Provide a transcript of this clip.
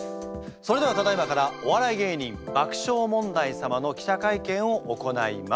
それではただいまからお笑い芸人爆笑問題様の記者会見を行います。